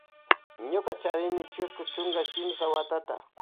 Ñuka charini chusku chunka kimsa watata.